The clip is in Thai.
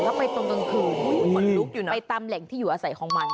แล้วไปตรงกลางคืนไปตามเหล่งที่อยู่อาศัยของมัน